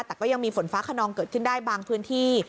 แต่ก็ยังมีฝนฟ้าขนองเกิดขึ้นได้บางพื้นที่